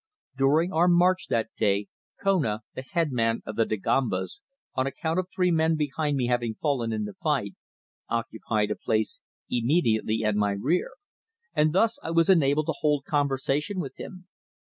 During our march that day, Kona, the headman of the Dagombas, on account of three men behind me having fallen in the fight, occupied a place immediately at my rear, and thus I was enabled to hold conversation with him.